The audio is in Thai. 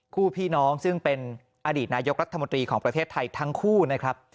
คู่พี่น้องซึ่งเป็นอดีตนายกรัฐมนตรีของประเทศไทยทั้งคู่นะครับ